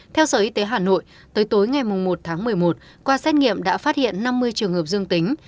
theo sở y tế hà nội tới tối ngày một tháng một mươi một qua xét nghiệm đã phát hiện năm mươi trường hợp dương tính